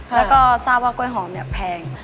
แล้วก็ทราบว่ากล้วยหอมเนี่ยแพง